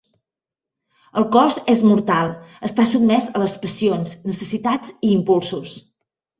El cos és mortal, està sotmès a les passions, necessitats i impulsos.